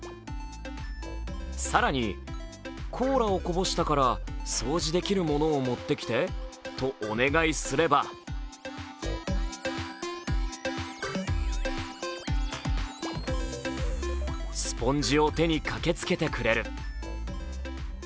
更にコーラをこぼしたから掃除できるものを持ってきてとお願いすればスポンジを手に駆けつけてくれる。